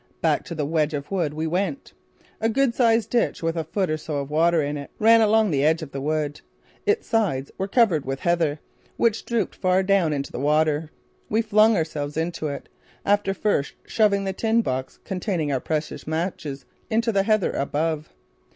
Back to the wedge of wood we went. A good sized ditch with a foot or so of water in it ran along the edge of the wood. Its sides were covered with heather, which drooped far down into the water. We flung ourselves into it, after first shoving the tin box containing our precious matches into the heather above.